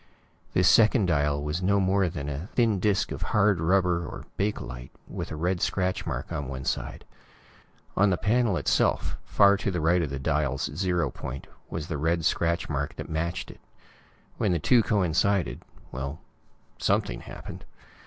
This second dial was no more than a thin disk of hard rubber or bakelite, with a red scratch mark on one side. On the panel itself, far to the right of the dial's zero point, was the red scratch mark that matched it. When the two coincided well, something happened.